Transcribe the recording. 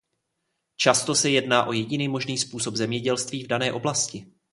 Často se jedná o jediný možný způsob zemědělství v dané oblasti.